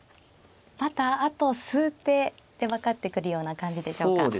またあと数手で分かってくるような感じでしょうか。